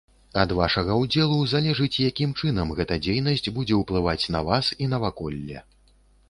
Ад ваша ўдзелу залежыць якім чынам гэта дзейнасць будзе ўплываць на вас і наваколле.